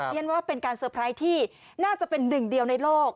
เรียนว่าเป็นการเตอร์ไพรส์ที่น่าจะเป็นหนึ่งเดียวในโลก